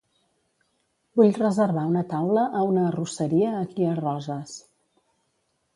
Vull reservar una taula a una arrosseria aquí a Roses.